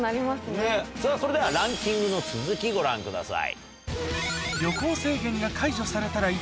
それではランキングの続きご覧ください。